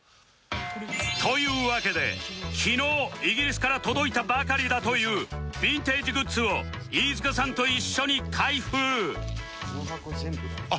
というわけで昨日イギリスから届いたばかりだというヴィンテージグッズを飯塚さんと一緒に開封